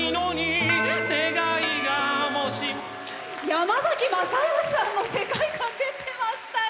山崎まさよしさんの世界観出てましたよ！